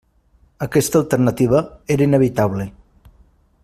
Aquesta alternativa era inevitable.